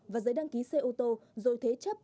và giấy đăng ký xe ô tô rồi thế chấp